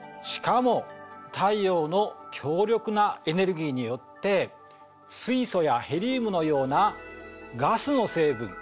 しかも太陽の強力なエネルギーによって水素やヘリウムのようなガスの成分